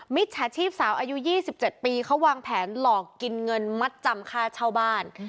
มิจฉาชีพสาวอายุ๒๗ปีเขาวางแผนหลอกกินเงินมัดจำค่าเช่าบ้าน